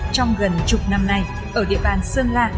trong gần chục năm nay ở địa bàn sơn la